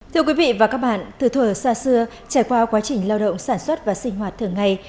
thưa quý vị và các bạn từ thời xa xưa trải qua quá trình lao động sản xuất và sinh hoạt thường ngày